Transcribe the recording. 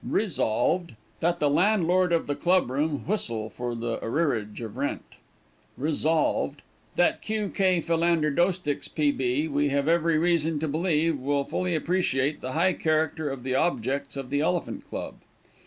Resolved, That the landlord of the Club room whistle for the arrearage of rent. Resolved, That Q.K. Philander Doesticks, P.B., we have every reason to believe, will fully appreciate the high character of the objects of the Elephant Club.